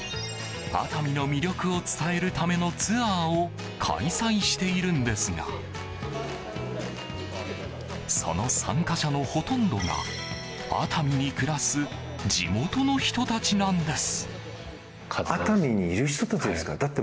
熱海の魅力を伝えるためのツアーを開催しているんですがその参加者のほとんどが熱海に暮らす地元の人たちなんです。